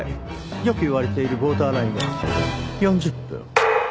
よく言われているボーダーラインは４０分。